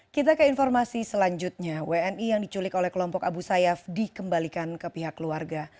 kita ke informasi selanjutnya wni yang diculik oleh kelompok abu sayyaf dikembalikan ke pihak keluarga